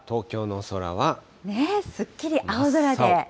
ねえ、すっきり青空で。